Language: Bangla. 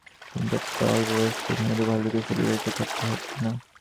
কিন্তু একটা অল্পবয়স্ক মেরু ভালুকের শুধু বেঁচে থাকলেই হবে না।